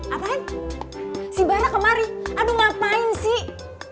apaan si bara kemari aduh ngapain sih